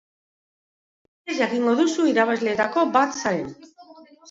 Hemen klik eginez jakingo duzu irabazleetako bat zaren.